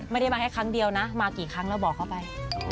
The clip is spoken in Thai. ไม่ได้มาแค่ครั้งเดียวนะมากี่ครั้งแล้วบอกเขาไป